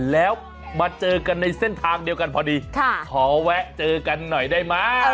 แล้วมาเจอกันในเส้นทางเดียวกันพอดีขอแวะเจอกันหน่อยได้ไหม